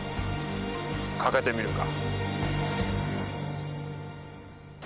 かけてみるか。